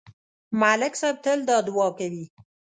ملک صاحب تل دا دعا کوي.